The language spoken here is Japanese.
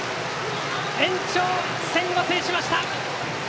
延長戦を制しました！